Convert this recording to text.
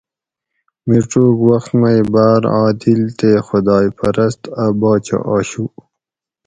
مِیڄوک وخت مئ باۤر عادِل تے خُدائ پرست اۤ باچہ آشو